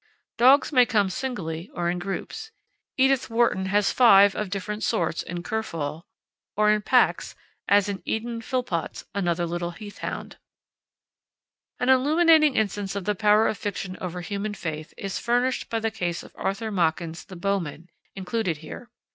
Dogs may come singly or in groups Edith Wharton has five of different sorts in Kerfol or in packs, as in Eden Phillpotts's Another Little Heath Hound. An illuminating instance of the power of fiction over human faith is furnished by the case of Arthur Machen's The Bowmen, included here.